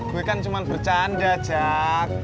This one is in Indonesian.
gue kan cuma bercanda aja